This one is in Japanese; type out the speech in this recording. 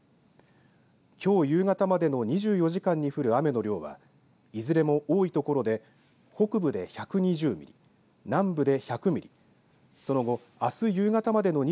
きょう夕方までに降る雨の量はいずれも多い所で北部で１２０ミリ南部で１００ミリ。